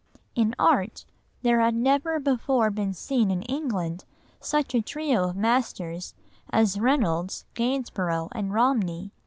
In art there had never before been seen in England such a trio of masters as Reynolds, Gainsborough, and Romney.